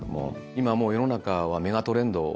今もう世の中はメガトレンド。